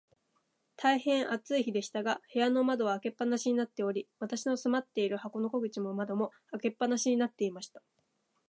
大へん暑い日でしたが、部屋の窓は開け放しになっており、私の住まっている箱の戸口も窓も、開け放しになっていました。